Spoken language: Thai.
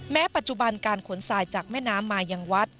ปัจจุบันการขนทรายจากแม่น้ำมายังวัด